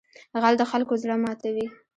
غل د خلکو زړه ماتوي